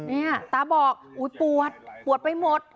เนี่ยตาบอกอุ๊ยปวดปวดไปหมด